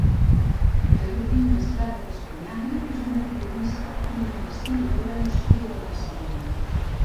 Carolina Estrada Bascuñana és una pianista i investigadora nascuda a Barcelona.